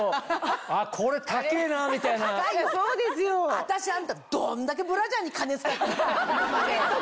私あんたどんだけブラジャーに金使ってるか！